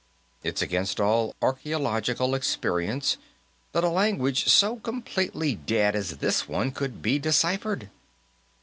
It's against all archaeological experience that a language so completely dead as this one could be deciphered.